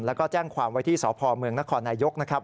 แล้วก็แจ้งความไว้ที่สพเมืองนครนายกนะครับ